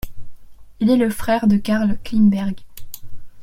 Il est le frère de Carl Klingberg.